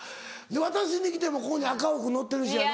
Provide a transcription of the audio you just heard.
渡しに来てもここに赤福のってるしやな。